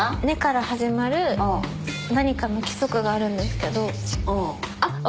「ね」から始まる何かの規則があるんですけど。